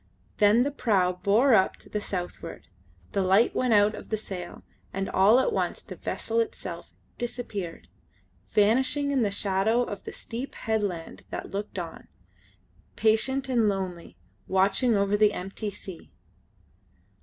Then the prau bore up to the southward: the light went out of the sail, and all at once the vessel itself disappeared, vanishing in the shadow of the steep headland that looked on, patient and lonely, watching over the empty sea.